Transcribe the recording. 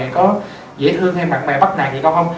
có dễ thương hay bạn bè bắt nạt gì không